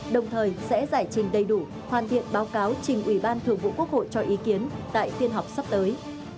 đồng thời sẽ giải trình đầy đủ hoàn thiện báo cáo trình ủy ban thường vụ quốc hội cho ý kiến tại phiên họp sắp tới